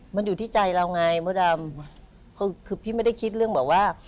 มันอยู่ที่ใจเราไงมดดำคือคือพี่ไม่ได้คิดเรื่องแบบว่า